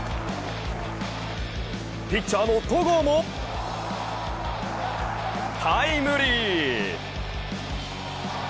ピッチャーの戸郷もタイムリー！